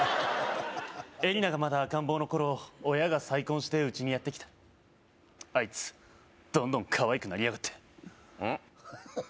エリナがまだ赤ん坊の頃親が再婚してうちにやってきたあいつどんどんかわいくなりやがってうん？